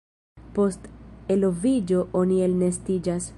Post eloviĝo oni elnestiĝas.